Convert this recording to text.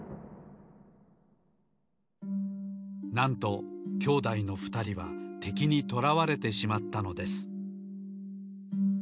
なんと兄弟のふたりはてきにとらわれてしまったのです。